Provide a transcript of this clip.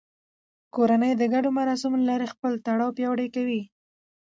کورنۍ د ګډو مراسمو له لارې خپل تړاو پیاوړی کوي